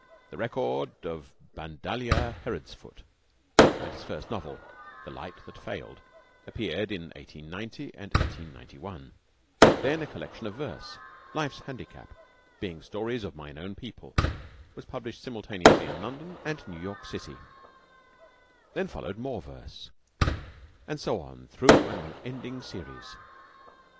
"The Record of Badalia Herodsfoot," and his first novel, "The Light that Failed," appeared in 1890 and 1891; then a collection of verse, "Life's Handicap, being stories of Mine Own People," was published simultaneously in London and New York City; then followed more verse, and so on through an unending series.